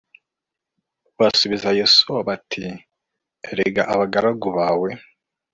Basubiza Yosuwa bati Erega abagaragu bawe